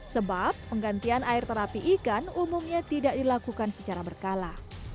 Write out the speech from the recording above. sebab penggantian air terapi ikan umumnya tidak dilakukan secara berkala